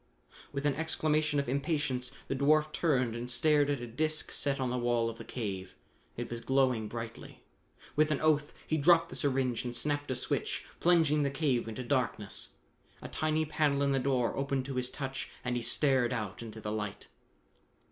With an exclamation of impatience the dwarf turned and stared at a disc set on the wall of the cave. It was glowing brightly. With an oath he dropped the syringe and snapped a switch, plunging the cave into darkness. A tiny panel in the door opened to his touch and he stared out into the light.